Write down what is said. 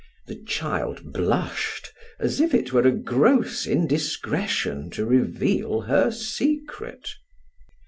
The child blushed as if it were a gross indiscretion to reveal her secret.